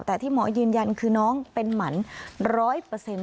แต่ที่หมอยืนยันคือน้องเป็นหมันร้อยเปอร์เซ็นต์